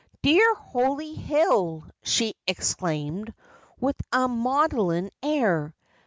' Dear Holly Hill,' she exclaimed, with a maudlin air.